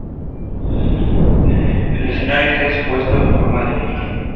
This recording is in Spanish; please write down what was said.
El escenario está dispuesto en forma de lira.